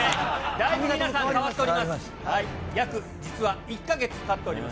だいぶ、皆さん、髪形変わっております。